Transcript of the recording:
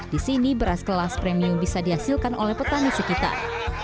di sini beras kelas premium bisa dihasilkan oleh petani sekitar